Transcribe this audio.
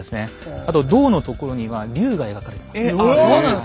あと胴のところには竜が描かれてます。